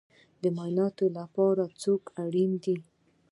د معایناتو لپاره څوک اړین دی؟